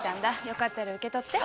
よかったら受け取って。